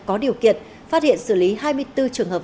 có điều kiện phát hiện xử lý hai mươi bốn trường hợp